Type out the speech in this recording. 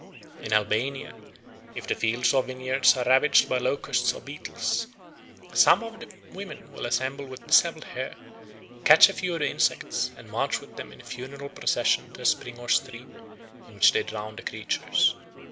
In Albania, if the fields or vineyards are ravaged by locusts or beetles, some of the women will assemble with dishevelled hair, catch a few of the insects, and march with them in a funeral procession to a spring or stream, in which they drown the creatures.